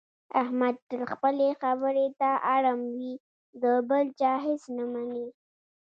احمد تل خپلې خبرې ته اړم وي، د بل چا هېڅ نه مني.